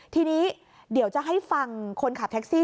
ทีนี้เดี๋ยวจะให้ฟังคนขับแท็กซี่